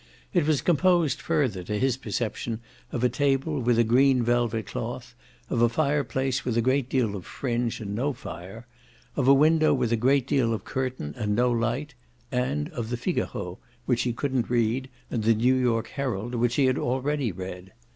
It was composed further, to his perception, of a table with a green velvet cloth, of a fireplace with a great deal of fringe and no fire, of a window with a great deal of curtain and no light, and of the Figaro, which he couldn't read, and the New York Herald, which he had already read.